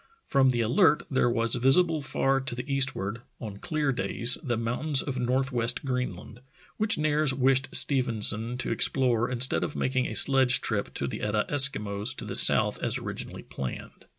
From the Alert there was visible far to the eastward, on clear days, the mountains of north west Greenland, which Nares wished Stephenson to explore instead of making a sledge trip to the Etah Eskimos to the south as originally planned.